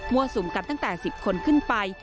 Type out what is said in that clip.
สุมกันตั้งแต่๑๐คนขึ้นไป